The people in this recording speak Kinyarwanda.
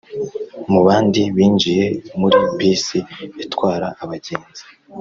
mu bandi binjiye muri bus itwara abagenzi